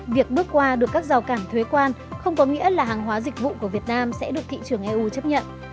việc bước qua được các rào cản thuế quan không có nghĩa là hàng hóa dịch vụ của việt nam sẽ được thị trường eu chấp nhận